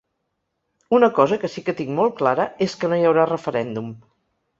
Una cosa que sí que tinc molt clara és que no hi haurà referèndum.